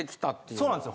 そうなんですよ。